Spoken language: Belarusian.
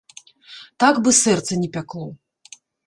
Так бы сэрца не пякло!